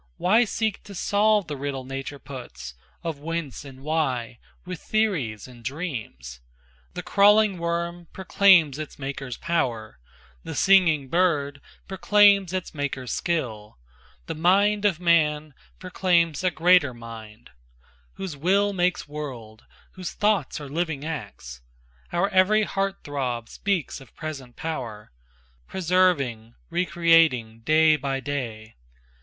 Why seek to solve the riddle nature puts, Of whence and why, with theories and dreams? The crawling worm proclaims its Maker's power; The singing bird proclaims its Maker's skill; The mind of man proclaims a greater Mind, Whose will makes world, whose thoughts are living acts. Our every heart throb speaks of present power, Preserving, recreating, day by day.